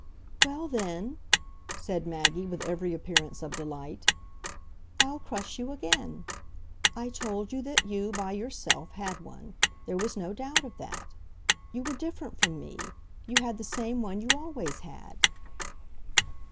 "Well then," said Maggie with every appearance of delight, "I'll crush you again. I told you that you by yourself had one there was no doubt of that. You were different from me you had the same one you always had."